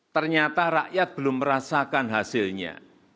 ternyata rakyat belum merasakan hasilnya